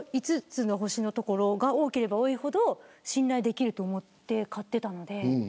星５のところが多ければ多いほど信頼できると思って買っていたので。